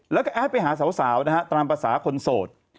แล้วก็แอดไปหาสาวนะฮะตามภาษาคนโสด